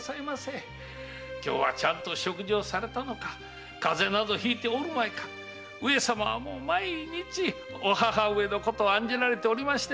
今日はちゃんと食事をされたのか風邪などひいておるまいか上様は毎日お母上のことを案じられておりましてな。